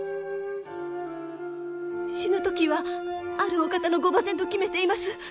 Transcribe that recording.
死ぬ時はあるお方のご馬前と決めています。